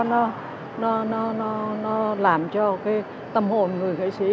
nó làm cho cái tâm hồn người nghệ sĩ